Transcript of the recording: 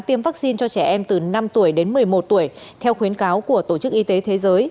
tiêm vaccine cho trẻ em từ năm tuổi đến một mươi một tuổi theo khuyến cáo của tổ chức y tế thế giới